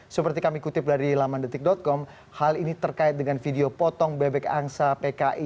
seperti kami kutip dari lamandetik com hal ini terkait dengan video potong bebek angsa pki